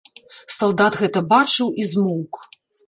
Салдат гэта бачыў і змоўк.